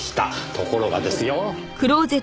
ところがですよ。